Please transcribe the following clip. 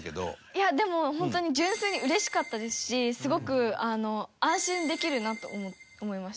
いやでも本当に純粋にうれしかったですしすごく安心できるなと思いました。